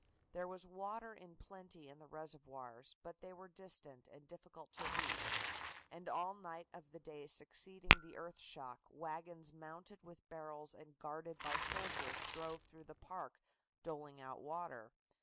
There was water in plenty in the reservoirs, but they were distant and difficult to reach, and all night of the day succeeding the earth shock wagons mounted with barrels and guarded by soldiers drove through the park doling out water.